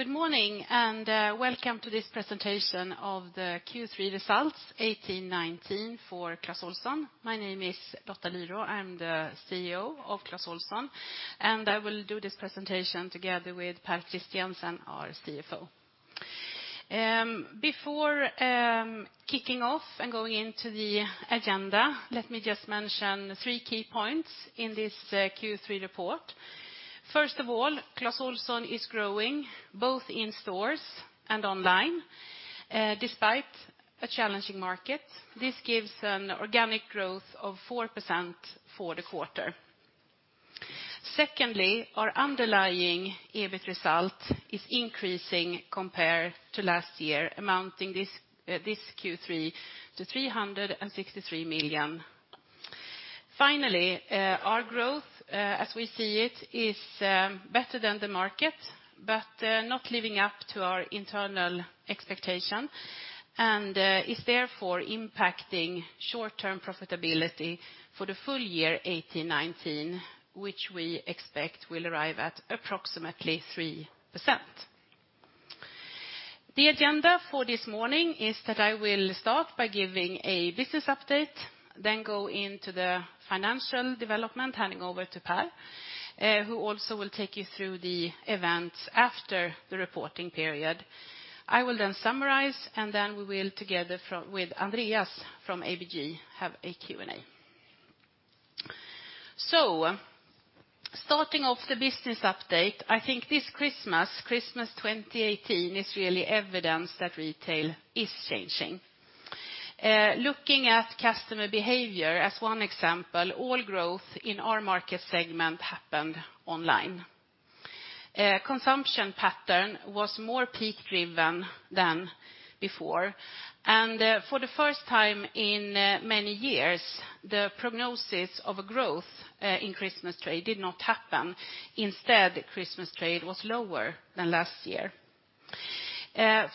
Good morning, welcome to this presentation of the Q3 results 2018-2019 for Clas Ohlson. My name is Lotta Lyrå. I'm the CEO of Clas Ohlson. I will do this presentation together with Par Christiansen, our CFO. Before kicking off and going into the agenda, let me just mention three key points in this Q3 report. First of all, Clas Ohlson is growing both in stores and online despite a challenging market. This gives an organic growth of 4% for the quarter. Secondly, our underlying EBIT result is increasing compared to last year, amounting this Q3 to 363 million. Finally, our growth, as we see it, is better than the market, but not living up to our internal expectation and is therefore impacting short-term profitability for the full year 2018-2019, which we expect will arrive at approximately 3%. The agenda for this morning is that I will start by giving a business update, then go into the financial development, handing over to Per, who also will take you through the events after the reporting period. I will then summarize, and then we will, together with Andreas from ABG, have a Q&A. Starting off the business update, I think this Christmas 2018, is really evidence that retail is changing. Looking at customer behavior as one example, all growth in our market segment happened online. Consumption pattern was more peak-driven than before. For the first time in many years, the prognosis of a growth in Christmas trade did not happen. Instead, Christmas trade was lower than last year.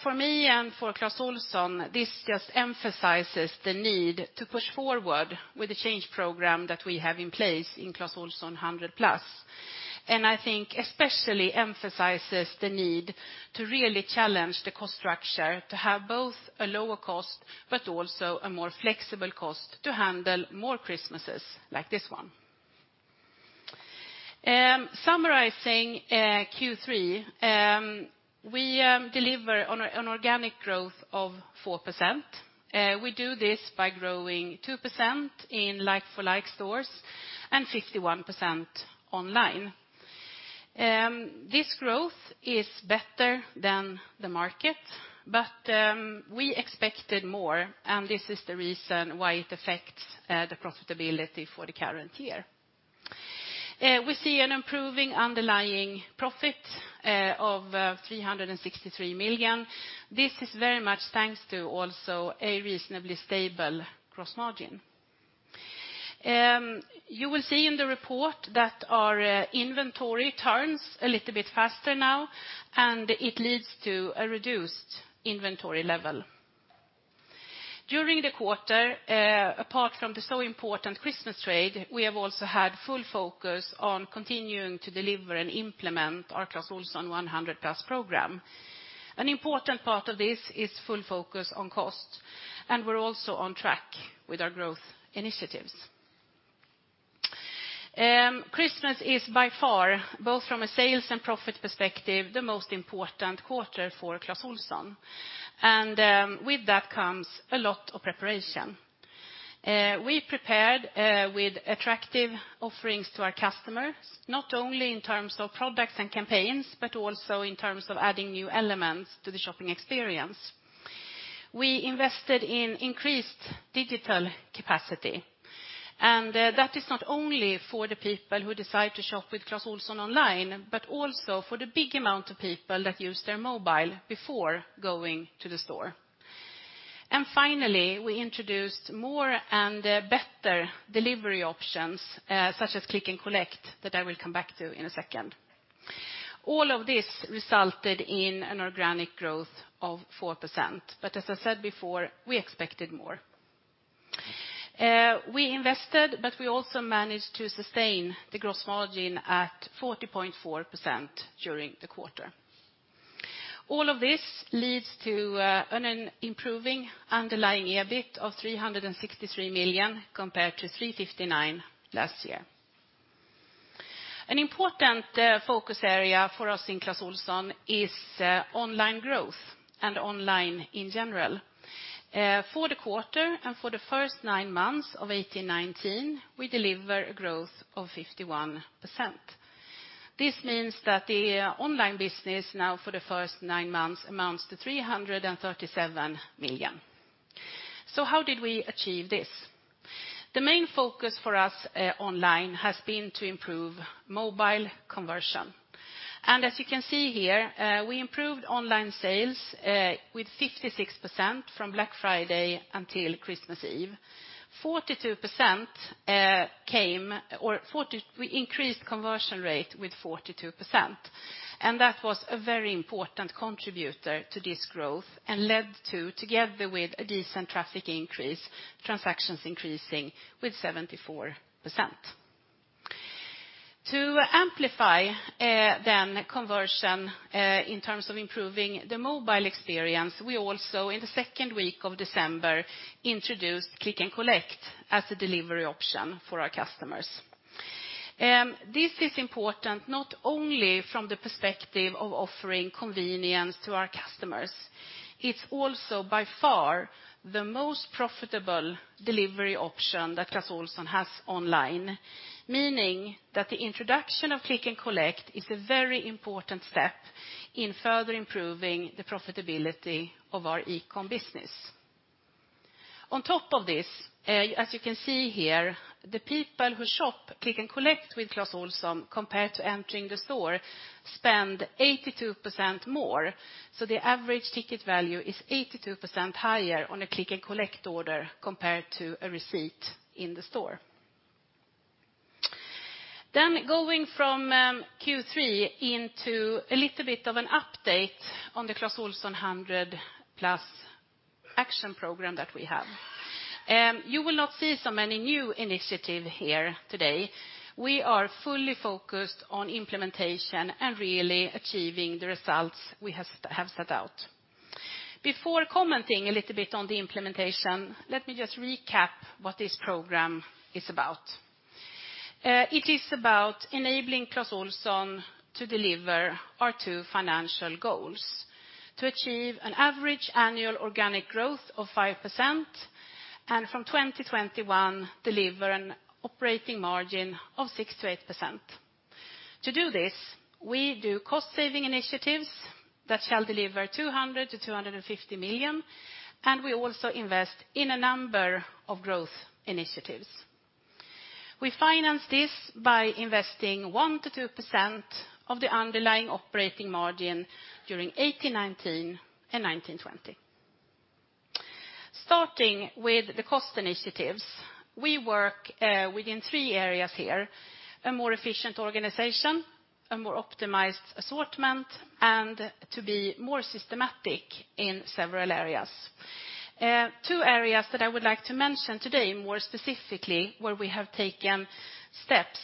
For me and for Clas Ohlson, this just emphasizes the need to push forward with the change program that we have in place in Clas Ohlson 100+. I think especially emphasizes the need to really challenge the cost structure to have both a lower cost but also a more flexible cost to handle more Christmases like this one. Summarizing Q3, we deliver on organic growth of 4%. We do this by growing 2% in like-for-like stores and 51% online. This growth is better than the market, but we expected more, and this is the reason why it affects the profitability for the current year. We see an improving underlying profit of 363 million. This is very much thanks to also a reasonably stable gross margin. You will see in the report that our inventory turns a little bit faster now, and it leads to a reduced inventory level. During the quarter, apart from the so important Christmas trade, we have also had full focus on continuing to deliver and implement our Clas Ohlson 100+ program. An important part of this is full focus on cost, and we're also on track with our growth initiatives. Christmas is by far, both from a sales and profit perspective, the most important quarter for Clas Ohlson, and with that comes a lot of preparation. We prepared with attractive offerings to our customers, not only in terms of products and campaigns, but also in terms of adding new elements to the shopping experience. We invested in increased digital capacity, that is not only for the people who decide to shop with Clas Ohlson online, but also for the big amount of people that use their mobile before going to the store. Finally, we introduced more and better delivery options, such as Click and Collect, that I will come back to in a second. All of this resulted in an organic growth of 4%, as I said before, we expected more. We invested, we also managed to sustain the gross margin at 40.4% during the quarter. All of this leads to an improving underlying EBIT of 363 million compared to 359 million last year. An important focus area for us in Clas Ohlson is online growth and online in general. For the quarter and for the first nine months of 2018-2019, we deliver a growth of 51%. This means that the online business now for the first nine months amounts to 337 million. How did we achieve this? The main focus for us online has been to improve mobile conversion. As you can see here, we improved online sales with 56% from Black Friday until Christmas Eve. 42%, we increased conversion rate with 42%, and that was a very important contributor to this growth and led to, together with a decent traffic increase, transactions increasing with 74%. To amplify, then conversion, in terms of improving the mobile experience, we also in the second week of December introduced click and collect as a delivery option for our customers. This is important not only from the perspective of offering convenience to our customers, it's also by far the most profitable delivery option that Clas Ohlson has online, meaning that the introduction of click and collect is a very important step in further improving the profitability of our e-com business. On top of this, as you can see here, the people who shop Click and Collect with Clas Ohlson compared to entering the store spend 82% more, so the average ticket value is 82% higher on a Click and Collect order compared to a receipt in the store. Going from Q3 into a little bit of an update on the Clas Ohlson 100+ action program that we have. You will not see so many new initiative here today. We are fully focused on implementation and really achieving the results we have set out. Before commenting a little bit on the implementation, let me just recap what this program is about. It is about enabling Clas Ohlson to deliver our two financial goals: to achieve an average annual organic growth of 5%, and from 2021 deliver an operating margin of 6-8%. To do this, we do cost saving initiatives that shall deliver 200 million-250 million. We also invest in a number of growth initiatives. We finance this by investing 1%-2% of the underlying operating margin during 2018, 2019, and 2019, 2020. Starting with the cost initiatives, we work within three areas here: a more efficient organization, a more optimized assortment, and to be more systematic in several areas. Two areas that I would like to mention today more specifically where we have taken steps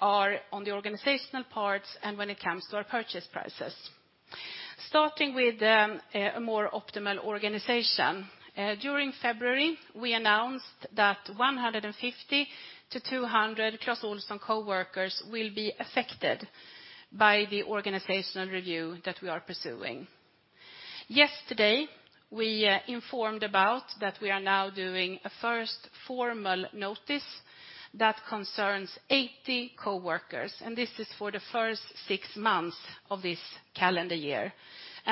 are on the organizational parts and when it comes to our purchase prices. Starting with a more optimal organization. During February, we announced that 150-200 Clas Ohlson coworkers will be affected by the organizational review that we are pursuing. Yesterday, we informed about that we are now doing a first formal notice that concerns 80 coworkers. This is for the first 6 months of this calendar year.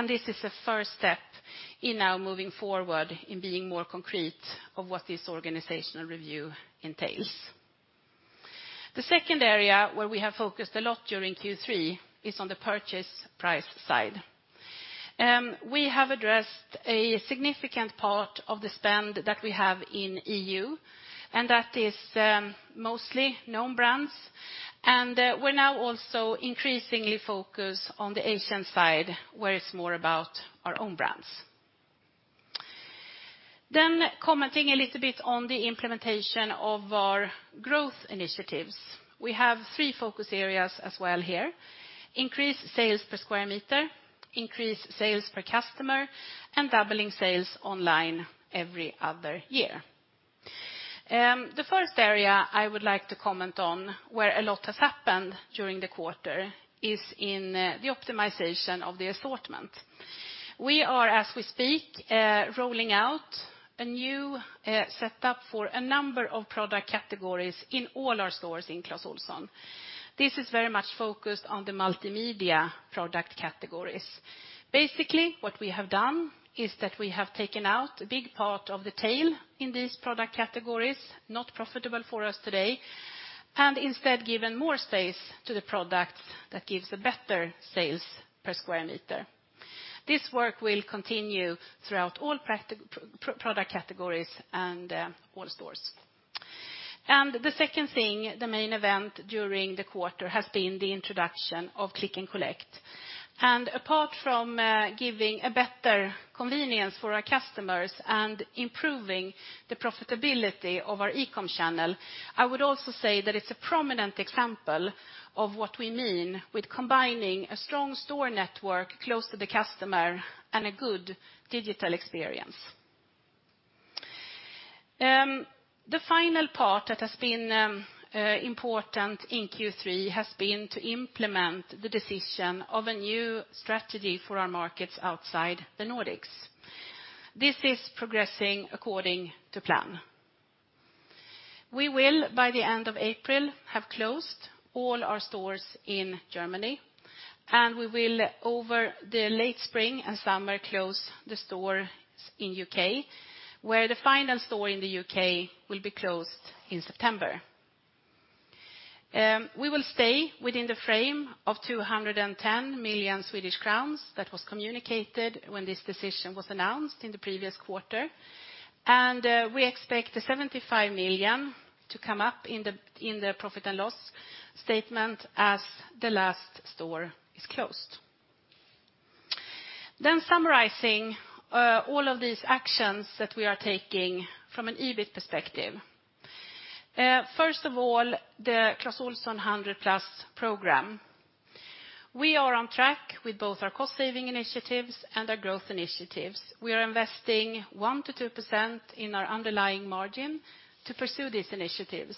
This is the first step in now moving forward in being more concrete of what this organizational review entails. The second area where we have focused a lot during Q3 is on the purchase price side. We have addressed a significant part of the spend that we have in EU, and that is mostly known brands. We're now also increasingly focused on the Asian side, where it's more about our own brands. Commenting a little bit on the implementation of our growth initiatives. We have 3 focus areas as well here: increase sales per square meter, increase sales per customer, and doubling sales online every other year. The first area I would like to comment on, where a lot has happened during the quarter, is in the optimization of the assortment. We are, as we speak, rolling out a new setup for a number of product categories in all our stores in Clas Ohlson. This is very much focused on the multimedia product categories. Basically, what we have done is that we have taken out a big part of the tail in these product categories, not profitable for us today, and instead given more space to the product that gives a better sales per square meter. This work will continue throughout all product categories and all stores. The second thing, the main event during the quarter, has been the introduction of Click and Collect. Apart from giving a better convenience for our customers and improving the profitability of our e-com channel, I would also say that it's a prominent example of what we mean with combining a strong store network close to the customer and a good digital experience. The final part that has been important in Q3 has been to implement the decision of a new strategy for our markets outside the Nordics. This is progressing according to plan. We will by the end of April have closed all our stores in Germany, and we will over the late spring and summer close the stores in U.K., where the final store in the U.K. will be closed in September. We will stay within the frame of 210 million Swedish crowns that was communicated when this decision was announced in the previous quarter. We expect the 75 million to come up in the profit and loss statement as the last store is closed. Summarizing all of these actions that we are taking from an EBIT perspective. First of all, the Clas Ohlson 100+ program. We are on track with both our cost saving initiatives and our growth initiatives. We are investing 1%-2% in our underlying margin to pursue these initiatives.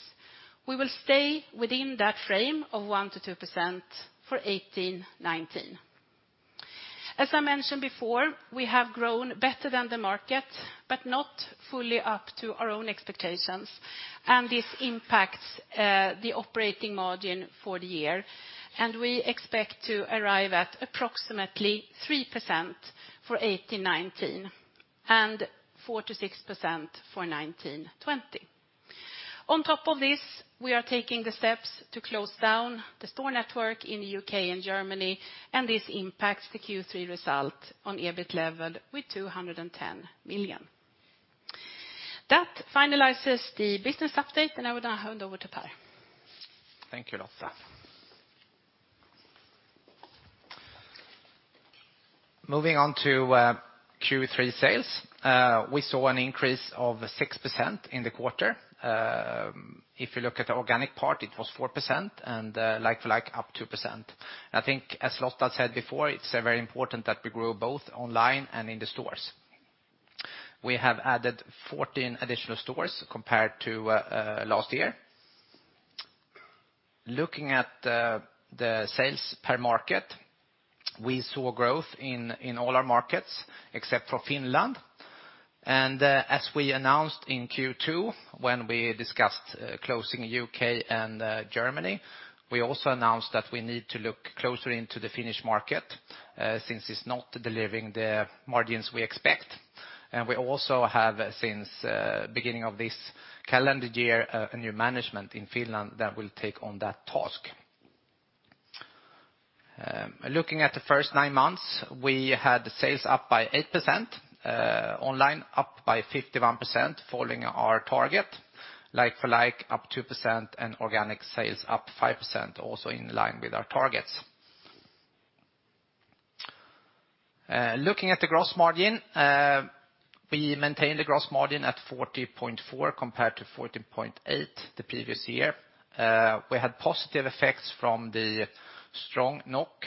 We will stay within that frame of 1%-2% for 2018-2019. As I mentioned before, we have grown better than the market, but not fully up to our own expectations, and this impacts the operating margin for the year. We expect to arrive at approximately 3% for 2018-2019, and 4%-6% for 2019-2020. On top of this, we are taking the steps to close down the store network in UK and Germany, and this impacts the Q3 result on EBIT level with 210 million. That finalizes the business update, and I would now hand over to Pär. Thank you, Lotta. Moving on to Q3 sales. We saw an increase of 6% in the quarter. If you look at the organic part, it was 4%, and like-for-like, up 2%. I think as Lotta said before, it's very important that we grow both online and in the stores. We have added 14 additional stores compared to last year. Looking at the sales per market, we saw growth in all our markets except for Finland. As we announced in Q2 when we discussed closing U.K. and Germany, we also announced that we need to look closer into the Finnish market since it's not delivering the margins we expect. We also have, since beginning of this calendar year, a new management in Finland that will take on that task. Looking at the first nine months, we had sales up by 8%. Online up by 51%, following our target. Like-for-like up 2%, and organic sales up 5%, also in line with our targets. Looking at the gross margin, we maintained the gross margin at 40.4% compared to 14.8% the previous year. We had positive effects from the strong NOK,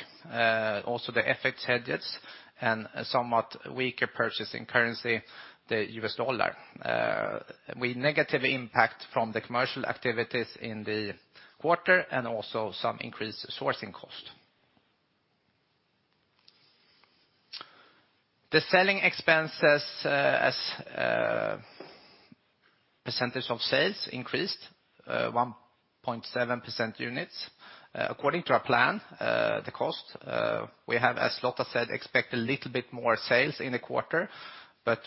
also the FX hedges, and a somewhat weaker purchasing currency, the US dollar. We negative impact from the commercial activities in the quarter and also some increased sourcing cost. The selling expenses, as percentage of sales increased, 1.7 percent units. According to our plan, the cost, we have, as Lotta said, expect a little bit more sales in the quarter,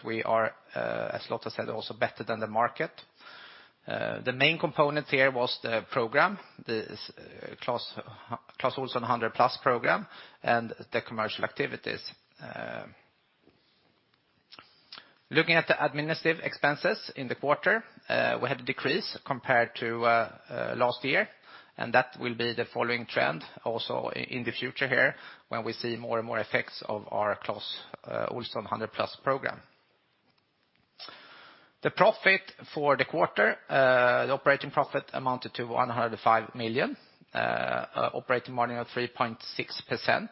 we are, as Lotta said, also better than the market. The main component here was the program, the Clas Ohlson 100 Plus program and the commercial activities. Looking at the administrative expenses in the quarter, we had a decrease compared to last year, that will be the following trend also in the future here when we see more and more effects of our Clas Ohlson 100 Plus program. The profit for the quarter, the operating profit amounted to 105 million, operating margin of 3.6%.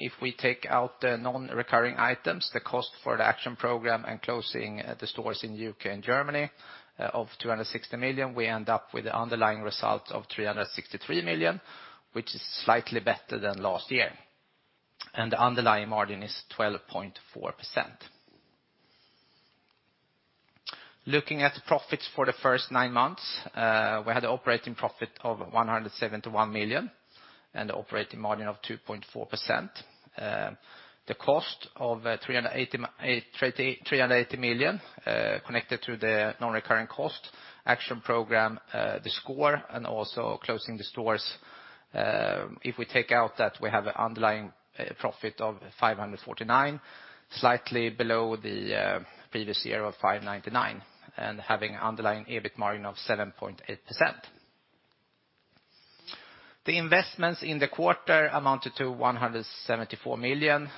If we take out the non-recurring items, the cost for the action program and closing the stores in UK and Germany, of 260 million, we end up with the underlying result of 363 million, which is slightly better than last year. The underlying margin is 12.4%. Looking at the profits for the first nine months, we had the operating profit of 171 million and the operating margin of 2.4%. The cost of 380 million connected to the non-recurring cost action program, the sCORE, and also closing the stores. If we take out that we have a underlying profit of 549, slightly below the previous year of 599, and having underlying EBIT margin of 7.8%. The investments in the quarter amounted to 174 million,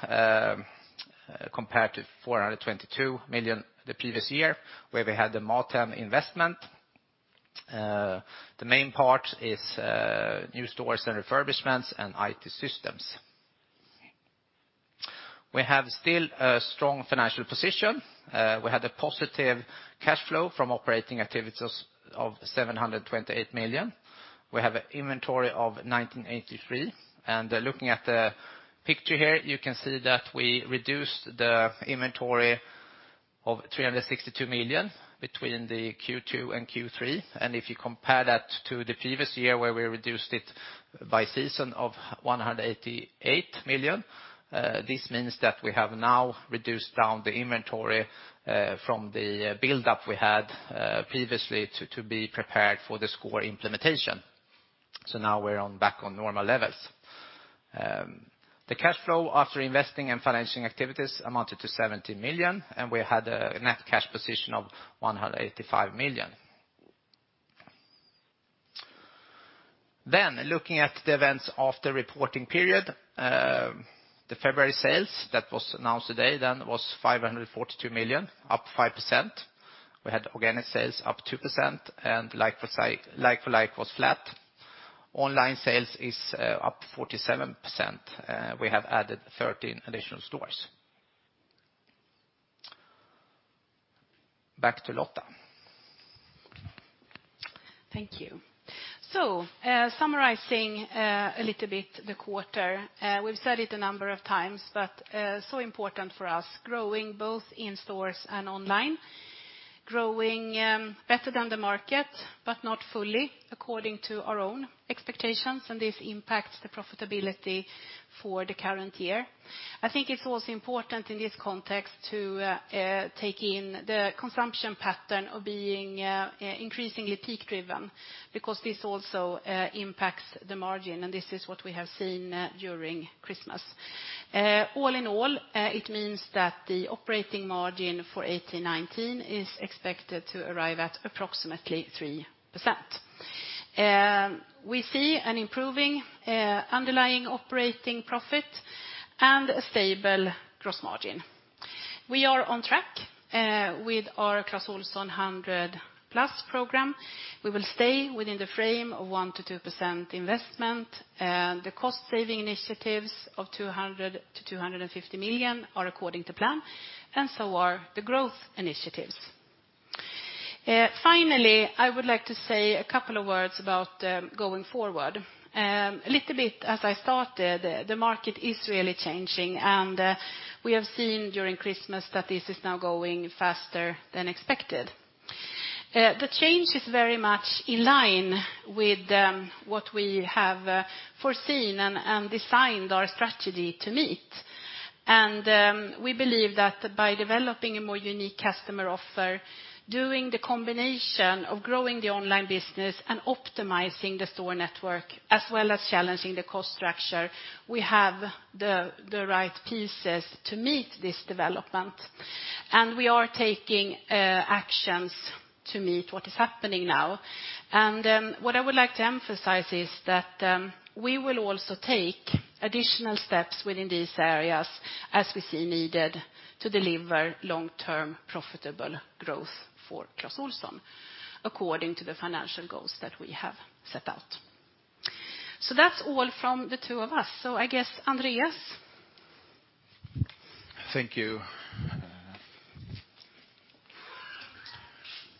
compared to 422 million the previous year where we had the Mathem investment. The main part is new stores and refurbishments and IT systems. We have still a strong financial position. We had a positive cash flow from operating activities of 728 million. We have an inventory of 1,983. Looking at the picture here, you can see that we reduced the inventory of 362 million between the Q2 and Q3. If you compare that to the previous year, where we reduced it by season of 188 million, this means that we have now reduced down the inventory from the buildup we had previously to be prepared for the sCORE implementation. Now we're back on normal levels. The cash flow after investing and financing activities amounted to 70 million, and we had a net cash position of 185 million. Looking at the events after reporting period, the February sales that was announced today was 542 million, up 5%. We had organic sales up 2%, and like-for-like was flat. Online sales is up 47%, we have added 13 additional stores. Back to Lotta. Thank you. Summarizing a little bit the quarter, we've said it a number of times, but so important for us growing both in stores and online. Growing better than the market, but not fully according to our own expectations, and this impacts the profitability for the current year. I think it's also important in this context to take in the consumption pattern of being increasingly peak driven, because this also impacts the margin, and this is what we have seen during Christmas. All in all, it means that the operating margin for 2018, 2019 is expected to arrive at approximately 3%. We see an improving underlying operating profit and a stable gross margin. We are on track with our Clas Ohlson 100 Plus program. We will stay within the frame of 1%-2% investment. The cost saving initiatives of 200 million-250 million are according to plan, and so are the growth initiatives. Finally, I would like to say a couple of words about going forward. A little bit as I started, the market is really changing, and we have seen during Christmas that this is now going faster than expected. The change is very much in line with what we have foreseen and designed our strategy to meet. We believe that by developing a more unique customer offer, doing the combination of growing the online business and optimizing the store network, as well as challenging the cost structure, we have the right pieces to meet this development. We are taking actions to meet what is happening now. What I would like to emphasize is that we will also take additional steps within these areas as we see needed to deliver long-term profitable growth for Clas Ohlson according to the financial goals that we have set out. That's all from the two of us. I guess Andreas? Thank you.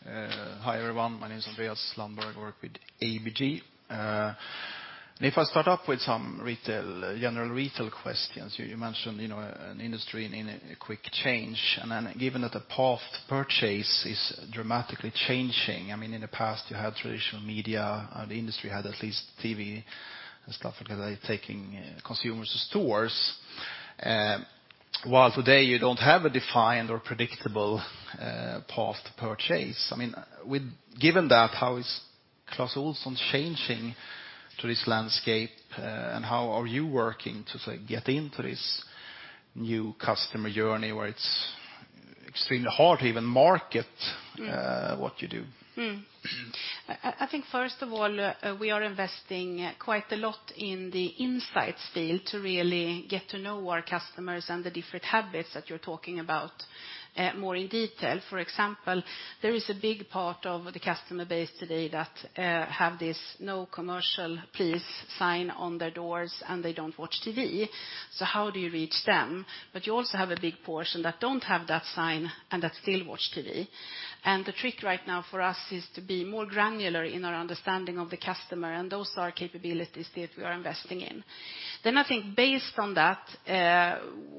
Hi, everyone. My name is Andreas Lundberg. I work with ABG. If I start off with some retail, general retail questions, you mentioned, you know, an industry in a quick change. Given that the path to purchase is dramatically changing, I mean, in the past, you had traditional media, the industry had at least TV and stuff like that taking consumers to stores. While today you don't have a defined or predictable path to purchase. I mean, given that, how is Clas Ohlson changing to this landscape, and how are you working to, say, get into this new customer journey where it's extremely hard to even market what you do? I think first of all, we are investing quite a lot in the insights field to really get to know our customers and the different habits that you're talking about, more in detail. For example, there is a big part of the customer base today that have this no commercial please sign on their doors, and they don't watch TV. How do you reach them? You also have a big portion that don't have that sign and that still watch TV. The trick right now for us is to be more granular in our understanding of the customer, and those are capabilities that we are investing in. I think based on that,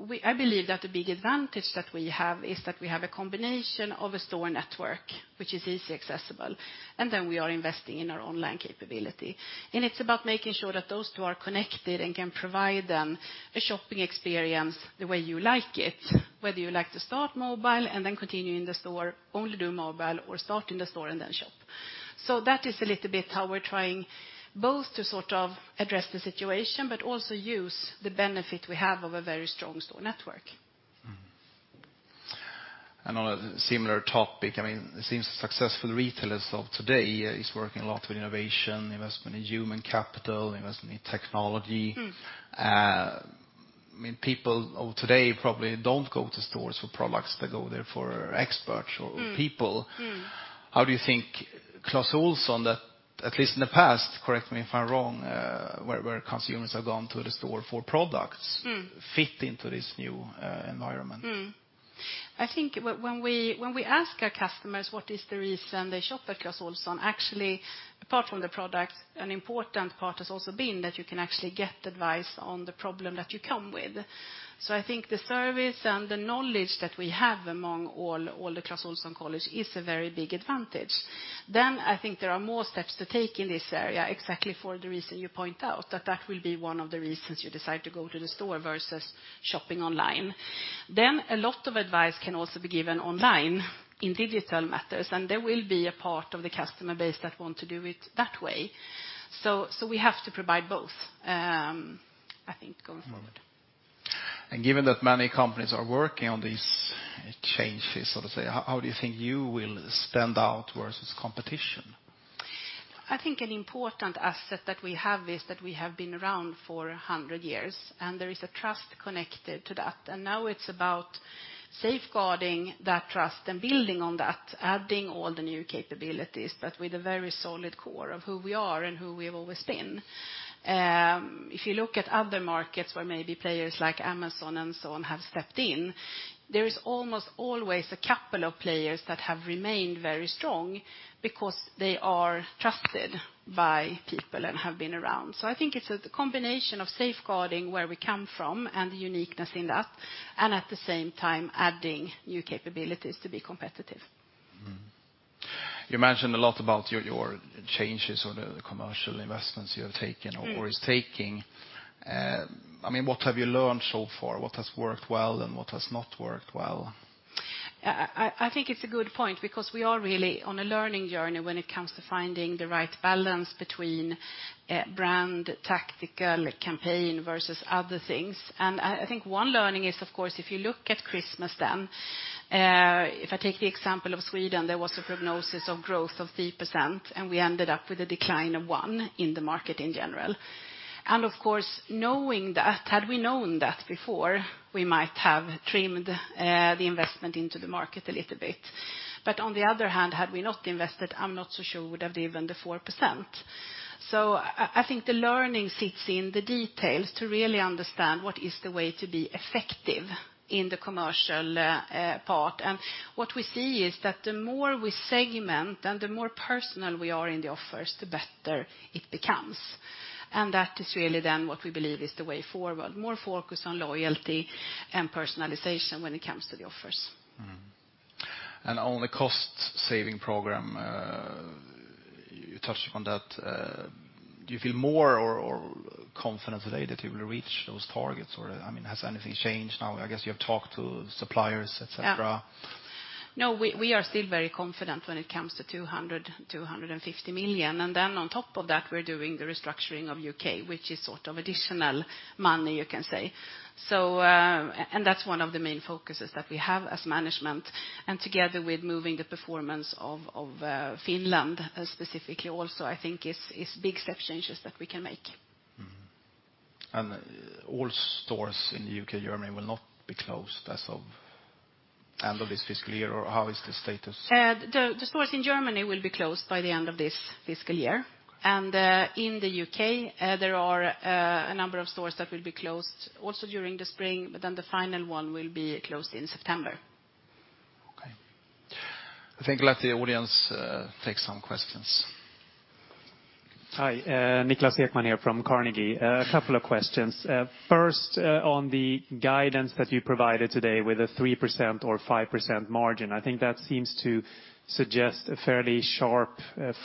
we, I believe that the big advantage that we have is that we have a combination of a store network, which is easy accessible, and then we are investing in our online capability. It's about making sure that those two are connected and can provide them a shopping experience the way you like it, whether you like to start mobile and then continue in the store, only do mobile, or start in the store and then shop. That is a little bit how we're trying both to sort of address the situation, but also use the benefit we have of a very strong store network. On a similar topic, I mean, it seems successful retailers of today is working a lot with innovation, investment in human capital, investment in technology. Mm. I mean, people of today probably don't go to stores for products. They go there for experts or people. Mm. Mm. How do you think Clas Ohlson that, at least in the past, correct me if I'm wrong, where consumers have gone to the store for products... Mm. fit into this new environment? I think when we ask our customers what is the reason they shop at Clas Ohlson, actually, apart from the products, an important part has also been that you can actually get advice on the problem that you come with. I think the service and the knowledge that we have among all the Clas Ohlson colleagues is a very big advantage. I think there are more steps to take in this area, exactly for the reason you point out, that that will be one of the reasons you decide to go to the store versus shopping online. A lot of advice can also be given online in digital matters, and there will be a part of the customer base that want to do it that way. So we have to provide both, I think going forward. Given that many companies are working on these changes, so to say, how do you think you will stand out versus competition? I think an important asset that we have is that we have been around for 100 years, there is a trust connected to that. Now it's about safeguarding that trust and building on that, adding all the new capabilities, but with a very solid core of who we are and who we've always been. If you look at other markets where maybe players like Amazon and so on have stepped in, there is almost always a couple of players that have remained very strong because they are trusted by people and have been around. I think it's a, the combination of safeguarding where we come from and the uniqueness in that, and at the same time adding new capabilities to be competitive. You mentioned a lot about your changes or the commercial investments you have taken. Mm. or is taking. I mean, what have you learned so far? What has worked well, and what has not worked well? I think it's a good point because we are really on a learning journey when it comes to finding the right balance between brand tactical campaign versus other things. I think one learning is, of course, if you look at Christmas then, if I take the example of Sweden, there was a prognosis of growth of 3%, and we ended up with a decline of 1% in the market in general. Of course, knowing that, had we known that before, we might have trimmed the investment into the market a little bit. On the other hand, had we not invested, I'm not so sure we would have given the 4%. I think the learning sits in the details to really understand what is the way to be effective in the commercial part. What we see is that the more we segment and the more personal we are in the offers, the better it becomes. That is really then what we believe is the way forward, more focus on loyalty and personalization when it comes to the offers. On the cost saving program, you touched on that. Do you feel more or confident today that you will reach those targets? I mean, has anything changed now? I guess you have talked to suppliers, et cetera. No, we are still very confident when it comes to 200 million, 250 million. On top of that, we're doing the restructuring of UK, which is sort of additional money, you can say. That's one of the main focuses that we have as management. Together with moving the performance of Finland, specifically also, I think is big step changes that we can make. All stores in the UK, Germany will not be closed as of end of this fiscal year, or how is the status? The stores in Germany will be closed by the end of this fiscal year. In the UK, there are a number of stores that will be closed also during the spring. The final one will be closed in September. Okay. I think let the audience take some questions. Hi, Niklas Ekman here from Carnegie. A couple of questions. On the guidance that you provided today with a 3% or 5% margin, I think that seems to suggest a fairly sharp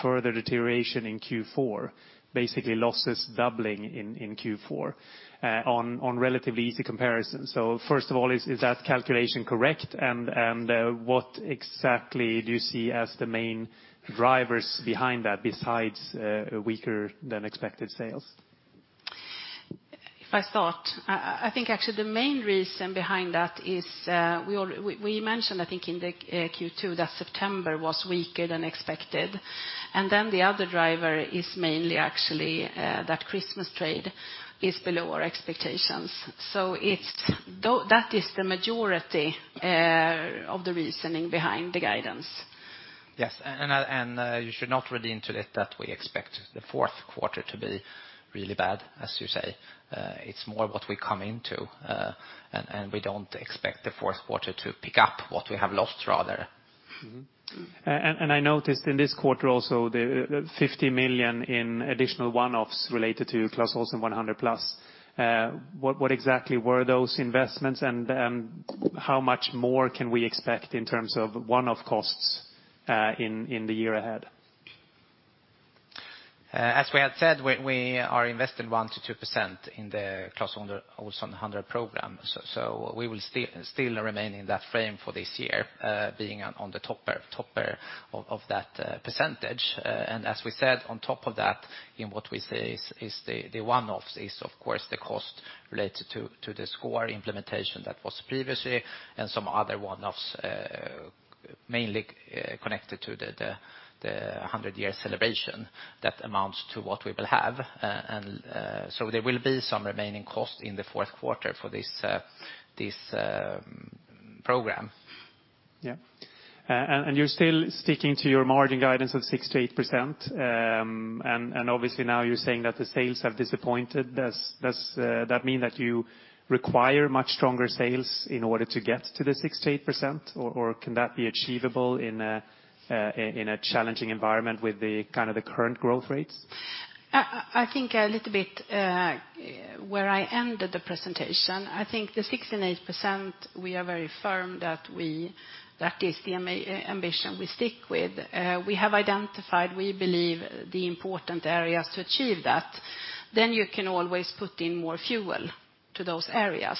further deterioration in Q4, basically losses doubling in Q4 on relatively easy comparisons. First of all, is that calculation correct? What exactly do you see as the main drivers behind that besides weaker than expected sales? If I start, I think actually the main reason behind that is, we mentioned, I think in the Q2 that September was weaker than expected. The other driver is mainly actually that Christmas trade is below our expectations. That is the majority of the reasoning behind the guidance. Yes. You should not read into it that we expect the fourth quarter to be really bad, as you say. It's more what we come into, and we don't expect the fourth quarter to pick up what we have lost rather. Mm-hmm. I noticed in this quarter also the 50 million in additional one-offs related to Clas Ohlson 100+. What exactly were those investments, and how much more can we expect in terms of one-off costs, in the year ahead? As we had said, we are investing 1%-2% in the Clas Ohlson 100+ program. We will still remain in that frame for this year, being on the topper of that percentage. As we said on top of that, in what we say is the one-offs is of course the cost related to the sCORE implementation that was previously and some other one-offs, mainly connected to the 100-year celebration that amounts to what we will have. There will be some remaining costs in the fourth quarter for this program. Yeah. You're still sticking to your margin guidance of 6%-8%. Obviously now you're saying that the sales have disappointed. Does that mean that you require much stronger sales in order to get to the 6%-8%, or can that be achievable in a challenging environment with the kind of the current growth rates? I think a little bit where I ended the presentation, I think the 6% and 8%, we are very firm that that is the ambition we stick with. We have identified, we believe, the important areas to achieve that. You can always put in more fuel to those areas.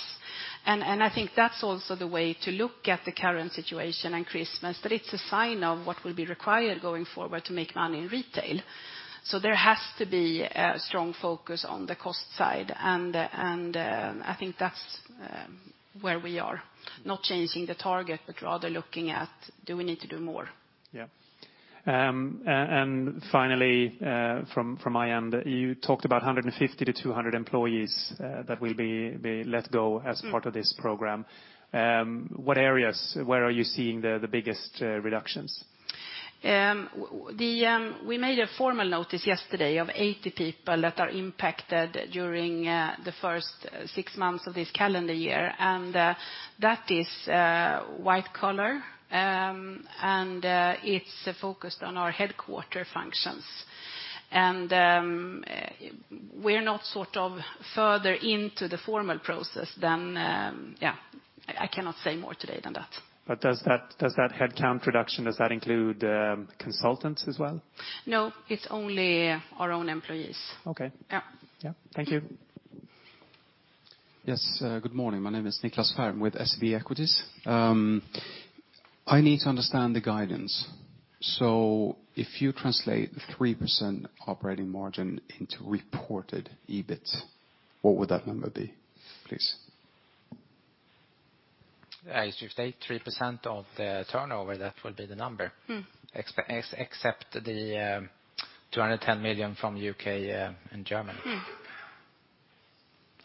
I think that's also the way to look at the current situation and Christmas, but it's a sign of what will be required going forward to make money in retail. There has to be a strong focus on the cost side and I think that's where we are. Not changing the target, but rather looking at do we need to do more. Yeah. Finally, from my end, you talked about 150 to 200 employees that will be let go as part of this program. What areas, where are you seeing the biggest reductions? We made a formal notice yesterday of 80 people that are impacted during the first six months of this calendar year. That is white collar. It's focused on our headquarter functions. We're not sort of further into the formal process than... Yeah, I cannot say more today than that. Does that headcount reduction, does that include consultants as well? No, it's only our own employees. Okay. Yeah. Yeah. Thank you. Yes, good morning. My name is Niklas Zahr with SEB Equities. I need to understand the guidance. If you translate the 3% operating margin into reported EBIT, what would that number be, please? As you state, 3% of the turnover, that will be the number. Mm. Except the 210 million from U.K. and Germany.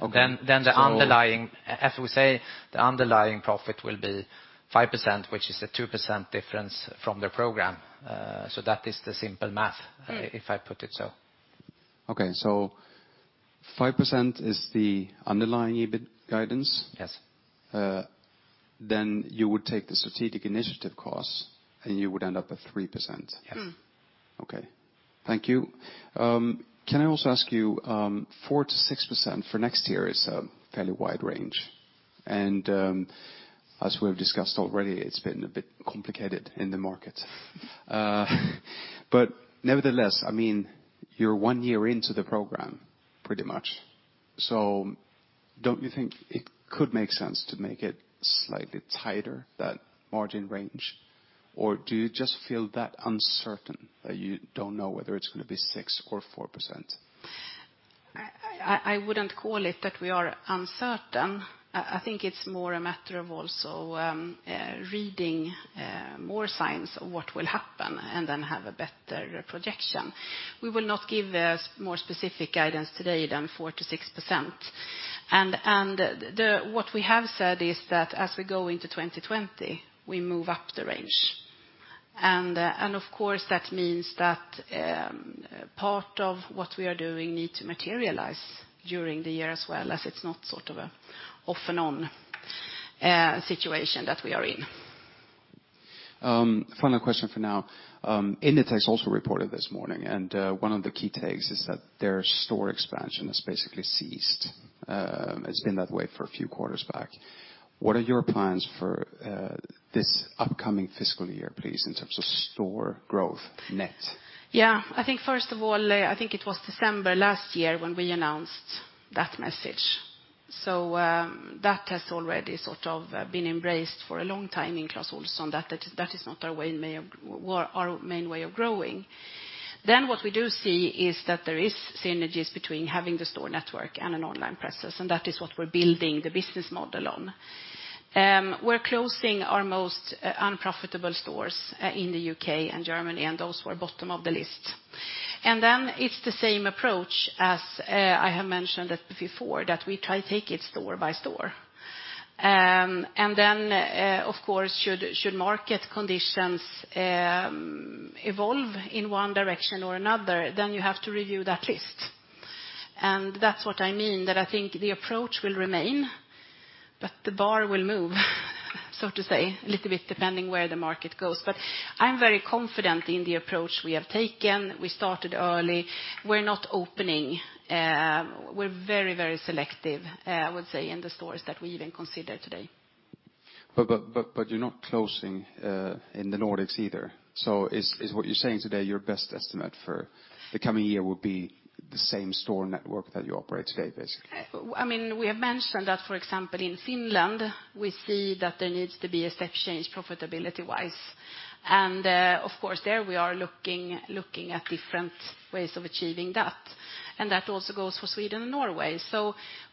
Okay. The underlying, as we say, the underlying profit will be 5%, which is a 2% difference from the Program. That is the simple math, if I put it so. Okay. 5% is the underlying EBIT guidance? Yes. You would take the strategic initiative costs and you would end up at 3%? Yes. Okay. Thank you. Can I also ask you, 4%-6% for next year is a fairly wide range. As we have discussed already, it's been a bit complicated in the market. Nevertheless, I mean, you're one year into the program pretty much. Don't you think it could make sense to make it slightly tighter, that margin range? Do you just feel that uncertain that you don't know whether it's gonna be 6% or 4%? I wouldn't call it that we are uncertain. I think it's more a matter of also reading more signs of what will happen and then have a better projection. We will not give more specific guidance today than 4% to 6%. What we have said is that as we go into 2020, we move up the range. Of course, that means that part of what we are doing need to materialize during the year as well, as it's not sort of a off and on situation that we are in. Final question for now. Inditex also reported this morning, and one of the key takes is that their store expansion has basically ceased. It's been that way for a few quarters back. What are your plans for this upcoming fiscal year, please, in terms of store growth net? Yeah. I think first of all, I think it was December last year when we announced that message. That has already sort of been embraced for a long time in Clas Ohlson, that is not our main way of growing. What we do see is that there is synergies between having the store network and an online presence, and that is what we're building the business model on. We're closing our most unprofitable stores in the UK and Germany, and those who are bottom of the list. It's the same approach as I have mentioned it before, that we try to take it store by store. Of course, should market conditions evolve in one direction or another, then you have to review that list. That's what I mean, that I think the approach will remain, but the bar will move, so to say, a little bit depending where the market goes. I'm very confident in the approach we have taken. We started early. We're not opening. We're very selective, I would say, in the stores that we even consider today. You're not closing in the Nordics either. So is what you're saying today your best estimate for the coming year will be the same store network that you operate today, basically? I mean, we have mentioned that, for example, in Finland, we see that there needs to be a step change profitability-wise. Of course there we are looking at different ways of achieving that. That also goes for Sweden and Norway.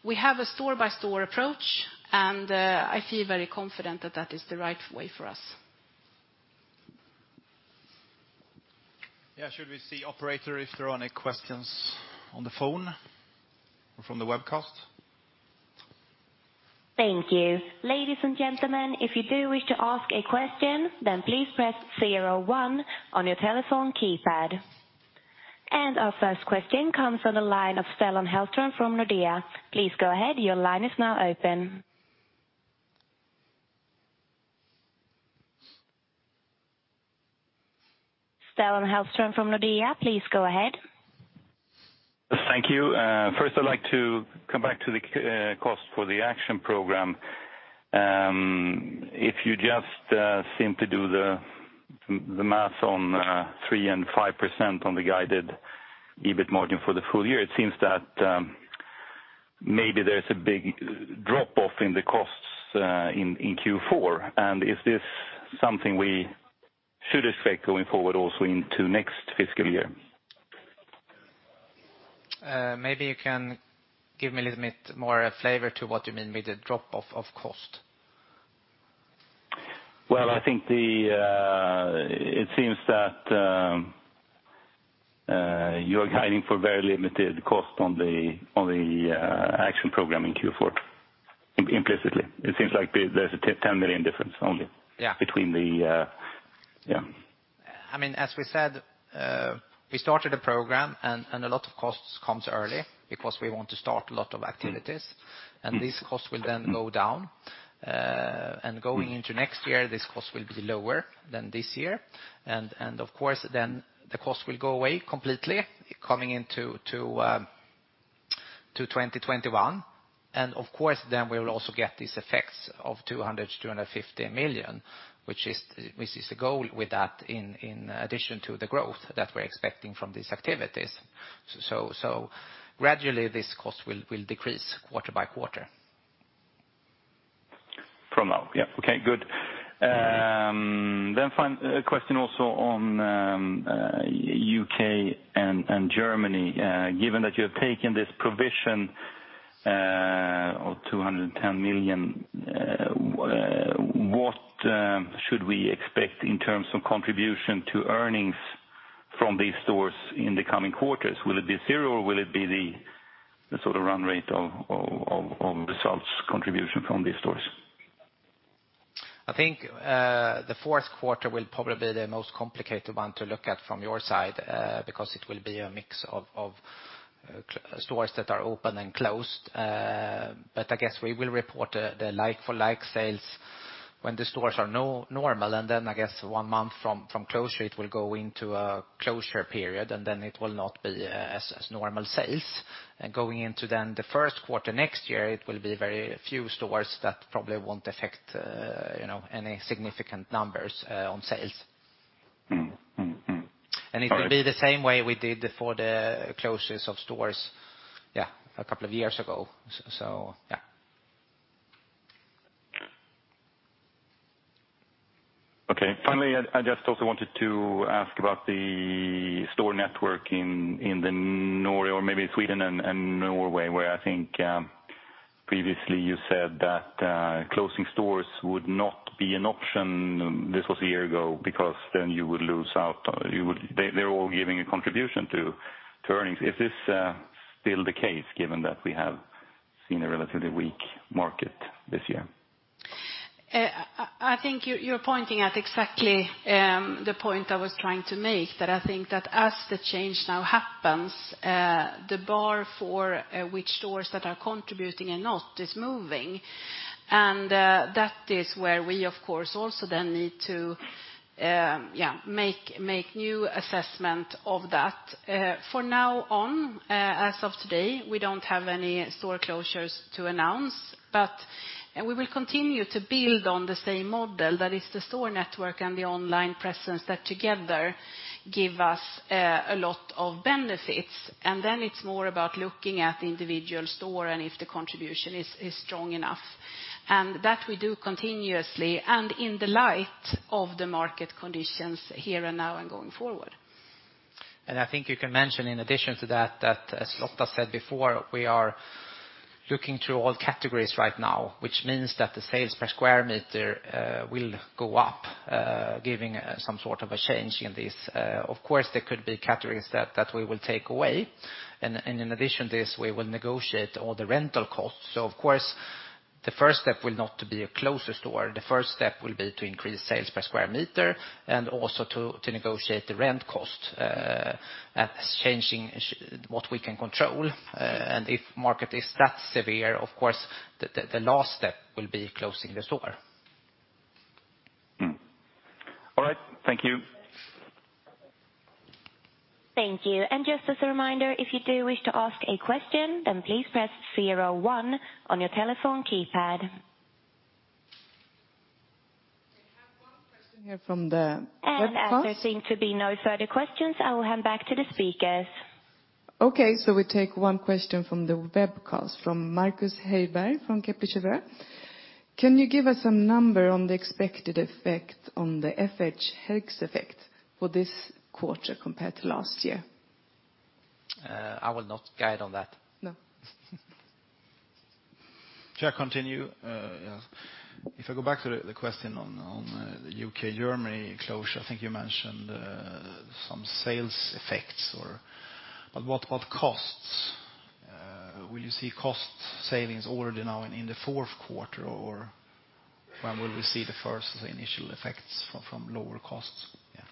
We have a store-by-store approach, and I feel very confident that that is the right way for us. Yeah. Should we see, operator, if there are any questions on the phone or from the webcast? Thank you. Ladies and gentlemen, if you do wish to ask a question, then please press zero one on your telephone keypad. Our first question comes from the line of Stellan Hellström from Nordea. Please go ahead. Your line is now open. Stellan Hellström from Nordea, please go ahead. Thank you. First I'd like to come back to the cost for the action program. If you just seem to do the math on 3% and 5% on the guided EBIT margin for the full year, it seems that Maybe there's a big drop-off in the costs in Q4. Is this something we should expect going forward also into next fiscal year? Maybe you can give me a little bit more flavor to what you mean with a drop-off of cost. I think the. It seems that you're guiding for very limited cost on the, on the action program in Q4, implicitly. It seems like there's a 10 million difference only. Yeah... between the... Yeah. I mean, as we said, we started a program and a lot of costs comes early because we want to start a lot of activities. Mm-hmm. These costs will then go down. Going into next year, this cost will be lower than this year. Of course, then the cost will go away completely coming into 2021. Of course, then we will also get these effects of 200 million-250 million, which is the goal with that in addition to the growth that we're expecting from these activities. Gradually, this cost will decrease quarter by quarter. From now. Yeah, okay, good. Question also on U.K. and Germany. Given that you have taken this provision of 210 million, what should we expect in terms of contribution to earnings from these stores in the coming quarters? Will it be zero or will it be the sort of run rate of results contribution from these stores? I think the fourth quarter will probably be the most complicated one to look at from your side, because it will be a mix of stores that are open and closed. But I guess we will report the like-for-like sales when the stores are normal. Then I guess one month from closure, it will go into a closure period, and then it will not be as normal sales. Going into then the first quarter next year, it will be very few stores that probably won't affect, you know, any significant numbers on sales. Mm-hmm. Mm-hmm. It will be the same way we did for the closures of stores, yeah, a couple of years ago. Yeah. Finally, I just also wanted to ask about the store network in Sweden and Norway, where I think previously you said that closing stores would not be an option. This was a year ago, because then you would lose out. They're all giving a contribution to earnings. Is this still the case, given that we have seen a relatively weak market this year? I think you're pointing at exactly the point I was trying to make, that I think that as the change now happens, the bar for which stores that are contributing and not is moving. That is where we of course also then need to, yeah, make new assessment of that. For now on, as of today, we don't have any store closures to announce. We will continue to build on the same model, that is the store network and the online presence that together give us a lot of benefits. It's more about looking at the individual store and if the contribution is strong enough. That we do continuously and in the light of the market conditions here and now and going forward. I think you can mention in addition to that as Lotta said before, we are looking through all categories right now, which means that the sales per square meter will go up, giving some sort of a change in this. Of course, there could be categories that we will take away. In addition to this, we will negotiate all the rental costs. Of course, the first step will not be to close a store. The first step will be to increase sales per square meter and also to negotiate the rent cost, as changing what we can control. If market is that severe, of course, the last step will be closing the store. Mm-hmm. All right. Thank you. Thank you. Just as a reminder, if you do wish to ask a question, then please press 01 on your telephone keypad. We have one question here from the web call. As there seem to be no further questions, I will hand back to the speakers. Okay. We take 1 question from the web call, from Marcus Heiervang from Kepler Cheuvreux. Can you give us a number on the expected effect on the FX effects for this quarter compared to last year? I will not guide on that. No. Shall I continue? If I go back to the question on the UK, Germany closure, I think you mentioned some sales effects. What of costs? Will you see cost savings already now in the fourth quarter, or when will we see the first initial effects from lower costs? Yeah.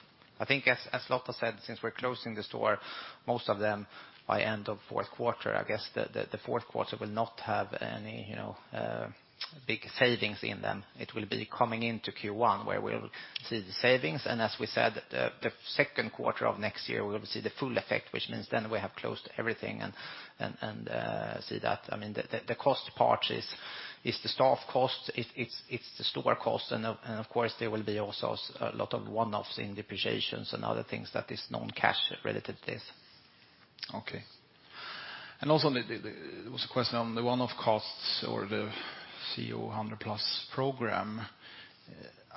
I think as Lotta said, since we're closing the store, most of them by end of fourth quarter, I guess the fourth quarter will not have any, you know, big savings in them. It will be coming into Q1, where we'll see the savings. As we said, the second quarter of next year, we will see the full effect, which means then we have closed everything and see that. I mean, the cost part is the staff costs. It's the store costs. Of course, there will be also a lot of one-offs in depreciations and other things that is non-cash related to this. Okay. Also there was a question on the one-off costs or the CO100+ program.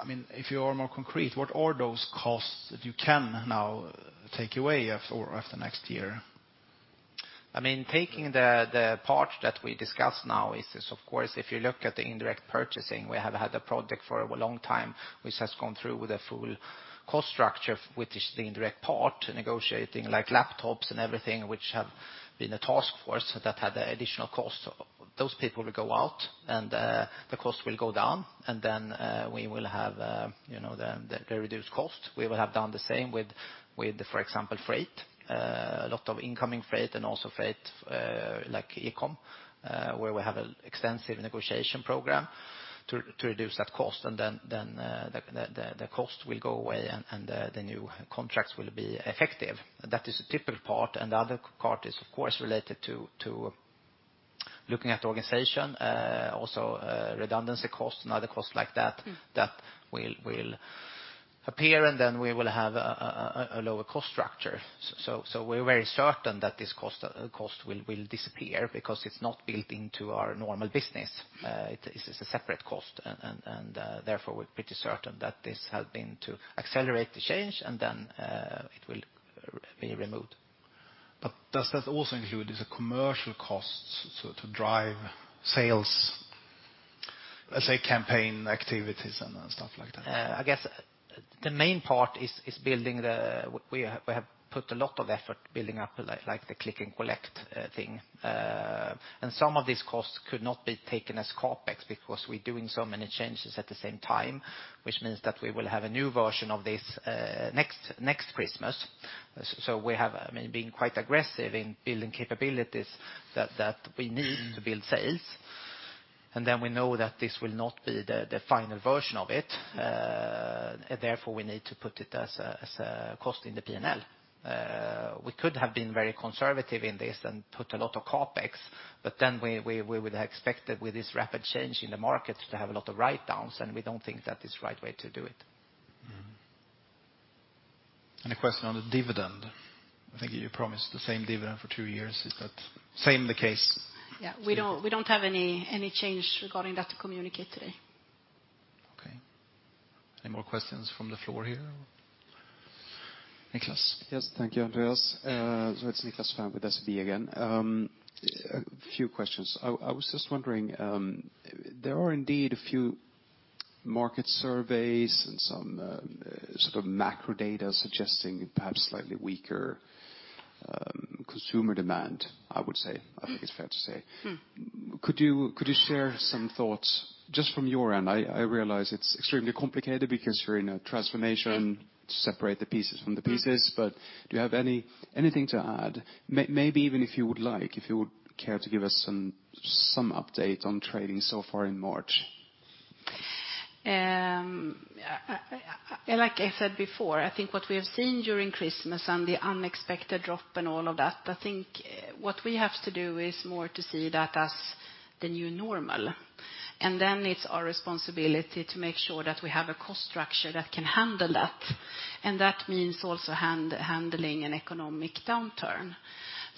I mean, if you are more concrete, what are those costs that you can now take away after next year? I mean, taking the part that we discussed now is of course if you look at the indirect purchasing, we have had a project for a long time which has gone through the full cost structure with this, the indirect part, negotiating like laptops and everything, which have been a task force that had additional costs. Those people will go out, the cost will go down. Then we will have, you know, the reduced cost. We will have done the same with, for example, freight. A lot of incoming freight and also freight, like e-com, where we have an extensive negotiation program to reduce that cost. Then the cost will go away, and the new contracts will be effective. That is a typical part. The other part is of course related to looking at organization. Also, redundancy costs and other costs like that that will appear, and then we will have a lower cost structure. We're very certain that this cost will disappear because it's not built into our normal business. It is a separate cost, and, therefore we're pretty certain that this helping to accelerate the change and then, it will be removed. Does that also include as a commercial cost, so to drive sales, let's say campaign activities and stuff like that? I guess the main part is building the. We have put a lot of effort building up, like the Click and Collect thing. And some of these costs could not be taken as CapEx because we're doing so many changes at the same time, which means that we will have a new version of this next Christmas. We have, I mean, been quite aggressive in building capabilities that we need to build sales. We know that this will not be the final version of it, therefore we need to put it as a cost in the P&L. We could have been very conservative in this and put a lot of CapEx, but then we would have expected with this rapid change in the markets to have a lot of write-downs, and we don't think that is the right way to do it. Mm-hmm. A question on the dividend. I think you promised the same dividend for 2 years. Is that same the case? Yeah. We don't have any change regarding that to communicate today. Okay. Any more questions from the floor here? Niklas? Yes. Thank you, Andreas. It's Niklas Zahr with SEB again. A few questions. I was just wondering, there are indeed a few market surveys and some sort of macro data suggesting perhaps slightly weaker consumer demand, I would say. I think it's fair to say. Mm. Could you share some thoughts just from your end? I realize it's extremely complicated because you're in a transformation to separate the pieces from the pieces. Do you have anything to add? Maybe even if you would like, if you would care to give us some update on trading so far in March. Like I said before, I think what we have seen during Christmas and the unexpected drop and all of that, I think what we have to do is more to see that as the new normal. Then it's our responsibility to make sure that we have a cost structure that can handle that, and that means also handling an economic downturn.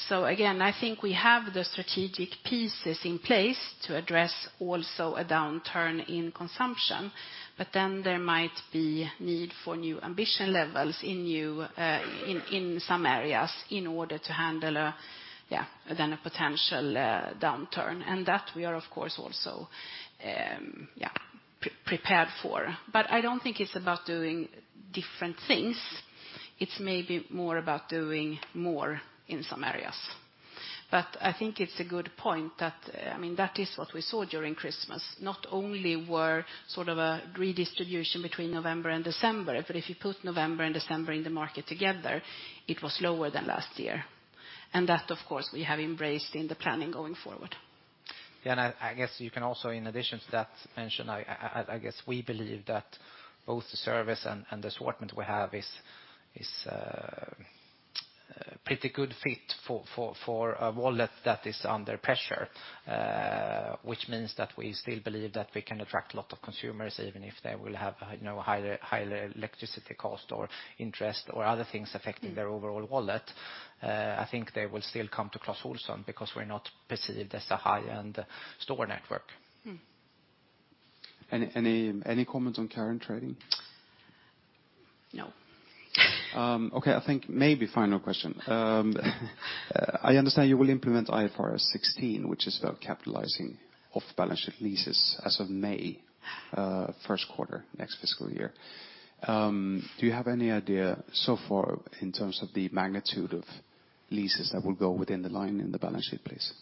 Again, I think we have the strategic pieces in place to address also a downturn in consumption. Then there might be need for new ambition levels in new in some areas in order to handle a then a potential downturn. That we are of course also prepared for. I don't think it's about doing different things. It's maybe more about doing more in some areas. I think it's a good point that, I mean, that is what we saw during Christmas, not only were sort of a redistribution between November and December, but if you put November and December in the market together, it was lower than last year. That of course we have embraced in the planning going forward. Yeah. I guess you can also in addition to that mention, I guess we believe that both the service and the assortment we have is, a pretty good fit for a wallet that is under pressure. Which means that we still believe that we can attract a lot of consumers, even if they will have, you know, higher electricity cost or interest or other things affecting their overall wallet. I think they will still come to Clas Ohlson because we're not perceived as a high-end store network. Mm. Any comment on current trading? No. Okay. I think maybe final question. I understand you will implement IFRS 16, which is about capitalizing off-balance sheet leases as of May, first quarter next fiscal year. Do you have any idea so far in terms of the magnitude of leases that will go within the line in the balance sheet, please?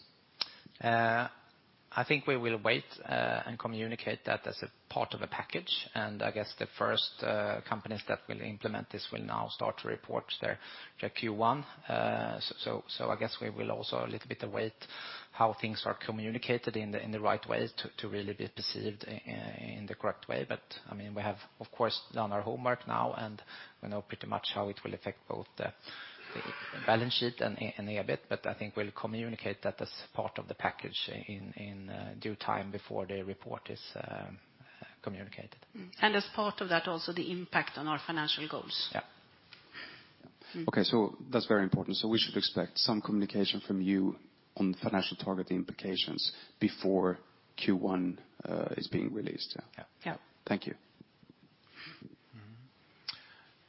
I think we will wait and communicate that as a part of a package. I guess the first companies that will implement this will now start to report their Q1. So I guess we will also a little bit await how things are communicated in the right way to really be perceived in the correct way. I mean, we have of course done our homework now, and we know pretty much how it will affect both the balance sheet and EBIT. I think we'll communicate that as part of the package in due time before the report is communicated. As part of that also the impact on our financial goals. Yeah. That's very important. We should expect some communication from you on financial target implications before Q1 is being released, yeah? Yeah. Yeah. Thank you.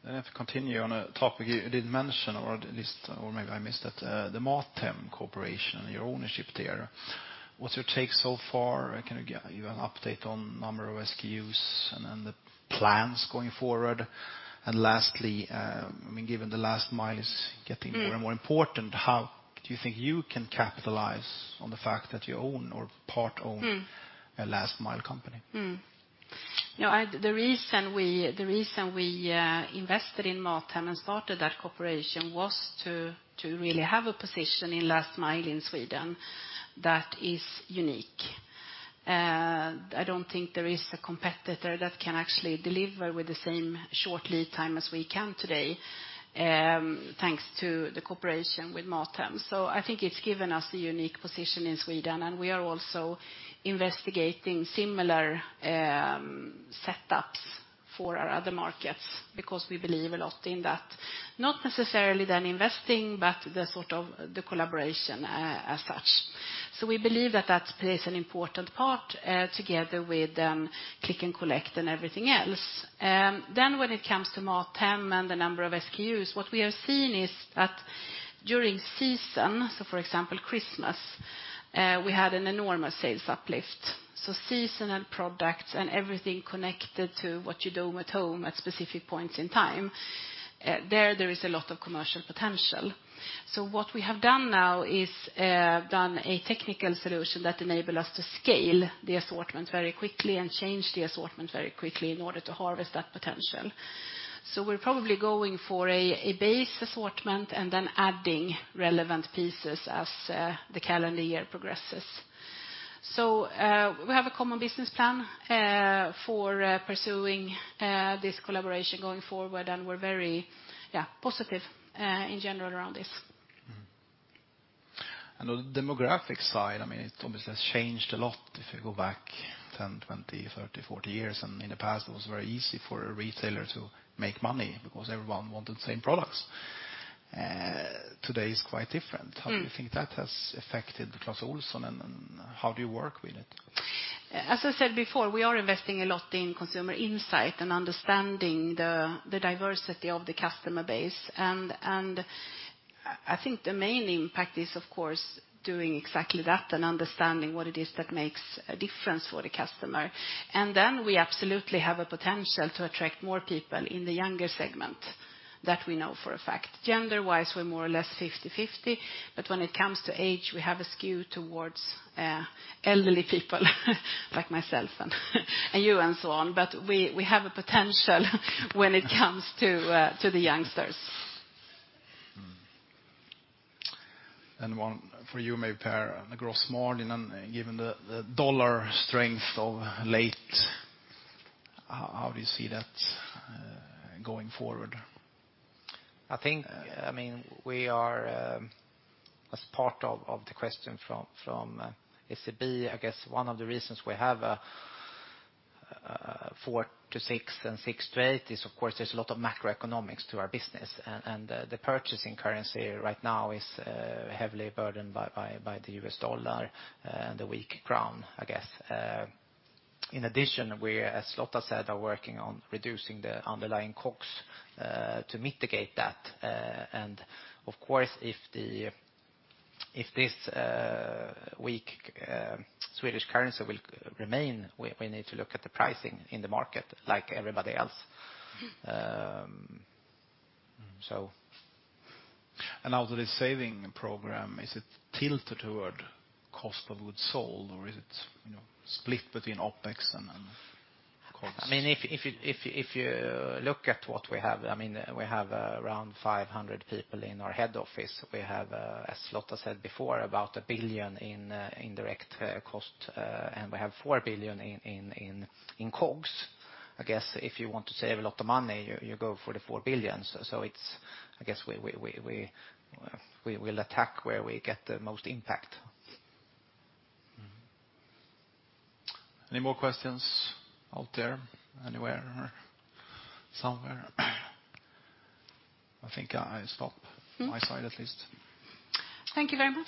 Mm-hmm. If we continue on a topic you didn't mention, or at least, or maybe I missed it, the Mathem corporation, your ownership there. What's your take so far? Can I get you an update on number of SKUs and then the plans going forward? Lastly, I mean, given the last mile is getting more and more important, how do you think you can capitalize on the fact that you own or part own- Mm. a last mile company? No. The reason we invested in Mathem and started that cooperation was to really have a position in last mile in Sweden that is unique. I don't think there is a competitor that can actually deliver with the same short lead time as we can today, thanks to the cooperation with Mathem. I think it's given us a unique position in Sweden, and we are also investigating similar setups for our other markets because we believe a lot in that. Not necessarily then investing, but the sort of, the collaboration as such. We believe that that plays an important part together with Click and Collect and everything else. When it comes to Mathem and the number of SKUs, what we have seen is that during season, for example, Christmas, we had an enormous sales uplift. Seasonal products and everything connected to what you do at home at specific points in time, there is a lot of commercial potential. What we have done now is done a technical solution that enable us to scale the assortment very quickly and change the assortment very quickly in order to harvest that potential. We're probably going for a base assortment and then adding relevant pieces as the calendar year progresses. We have a common business plan for pursuing this collaboration going forward, and we're very, yeah, positive in general around this. On the demographic side, I mean, it obviously has changed a lot if you go back 10, 20, 30, 40 years. In the past, it was very easy for a retailer to make money because everyone wanted the same products. Today is quite different. Mm. How do you think that has affected Clas Ohlson and how do you work with it? As I said before, we are investing a lot in consumer insight and understanding the diversity of the customer base. I think the main impact is, of course, doing exactly that and understanding what it is that makes a difference for the customer. We absolutely have a potential to attract more people in the younger segment. That we know for a fact. Gender-wise, we're more or less 50-50, but when it comes to age, we have a skew towards elderly people like myself and you and so on. We have a potential when it comes to the youngsters. Mm-hmm. One for you, maybe Pär, the gross margin and given the US dollar strength of late, how do you see that going forward? I think, I mean, we are As part of the question from SEB, I guess one of the reasons we have a four to six then six to eight is, of course, there's a lot of macroeconomics to our business. The purchasing currency right now is heavily burdened by the US dollar and the weak crown, I guess. In addition, we, as Lotta said, are working on reducing the underlying COGS to mitigate that. Of course, if this weak Swedish currency will remain, we need to look at the pricing in the market like everybody else. Also the saving program, is it tilted toward cost of goods sold or is it, you know, split between OpEx and COGS? I mean, if you look at what we have, I mean, we have around 500 people in our head office. We have, as Lotta said before, about 1 billion in indirect cost, and we have 4 billion in COGS. I guess if you want to save a lot of money, you go for the 4 billion. I guess we will attack where we get the most impact. Mm-hmm. Any more questions out there, anywhere or somewhere? I think I stop my side at least. Thank you very much.